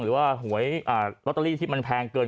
หรือว่าหวยลอตเตอรี่ที่มันแพงเกิน